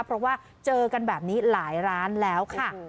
เพราะว่าเจอกันแบบนี้หลายร้านแล้วค่ะ